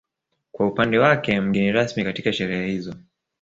Kwa upande wake mgeni rasmi katika sherehe hizo